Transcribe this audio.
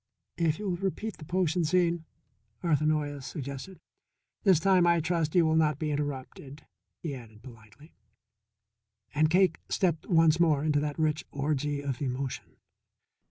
"If you will repeat the potion scene," Arthur Noyes suggested. "This time, I trust, you will not be interrupted," he added politely. And Cake stepped once more into that rich orgy of emotion.